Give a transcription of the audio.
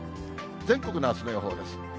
全国のあすの予報です。